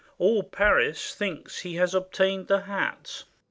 All Paris thinks he has obtained the hat.